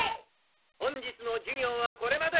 本日の授業はこれまで。